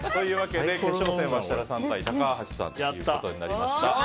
決勝戦は設楽さんと高橋さんとなりました。